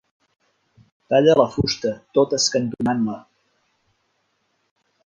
Talla la fusta tot escantonant-la.